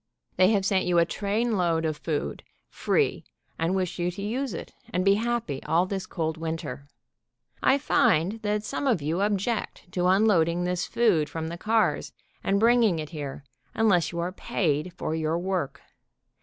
They have sent you a CALLING AN AUDIENCE WITH A FIRE ALARM 109 trainload of food, free, and wish you to use it, and be happy all this cold winter. I find that some of you obj'ect to unloading this food from the cars and bring ing it here, unless you are paid for your work.